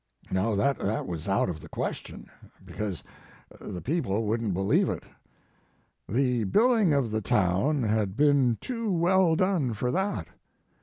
No, that was out of the question, because the people wouldn t believe it. The billing of the town had been too well His Life and Work. done for that.